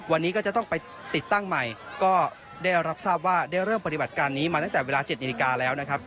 วันนี้ก็จะต้องไปติดตั้งใหม่ก็ได้รับทราบว่าได้เริ่มปฏิบัติการนี้มาตั้งแต่เวลา๗นาฬิกาแล้วนะครับ